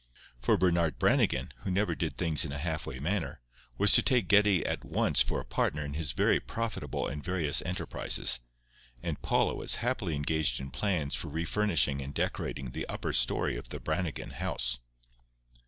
For Bernard Brannigan, who never did things in a half way manner, was to take Geddie at once for a partner in his very profitable and various enterprises; and Paula was happily engaged in plans for refurnishing and decorating the upper story of the Brannigan house.